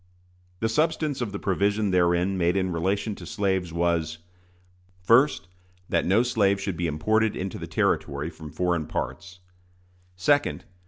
The substance of the provision therein made in relation to slaves was: 1st. That no slave should be imported into the Territory from foreign parts. 2d.